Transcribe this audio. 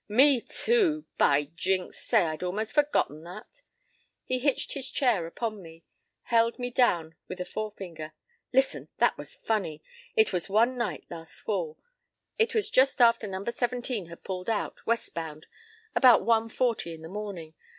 "Me, too! By jinks! Say, I'd almost forgot that." He hitched his chair upon me; held me down with a forefinger. "Listen. That was funny. It was one night—last fall. It was just after Number Seventeen had pulled out, westbound, about one forty in the morning.